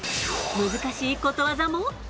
難しいことわざも。